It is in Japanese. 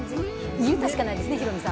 いい歌しかないですね、ヒロミさん。